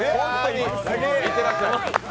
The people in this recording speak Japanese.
行ってらっしゃい。